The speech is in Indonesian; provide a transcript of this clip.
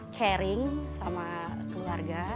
caring sama keluarga